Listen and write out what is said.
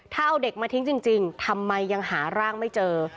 ถ้าเอาเด็กมาทิ้งจริงทำไมยังหาร่างไม่เจอ